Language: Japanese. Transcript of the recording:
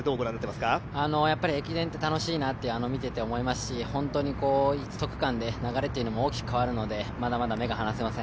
駅伝って楽しいなと見てて思いますし本当に１区間で流れというのが大きく変わるのでまだまだ目が離せません。